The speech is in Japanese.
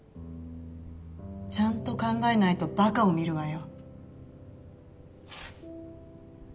ちゃんと考えないとバカを見るわよ。